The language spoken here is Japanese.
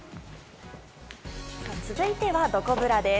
続いてはどこブラです。